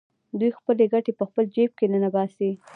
دوی خپلې ګټې په خپل جېب کې ننباسي